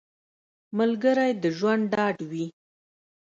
ملګری د ژوند ډاډ وي